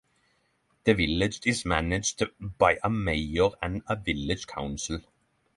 The village is managed by a mayor and a village council.